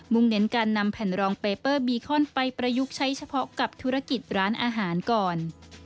เน้นการนำแผ่นรองเปเปอร์บีคอนไปประยุกต์ใช้เฉพาะกับธุรกิจร้านอาหารก่อน